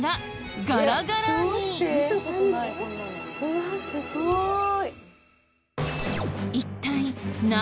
うわすごい。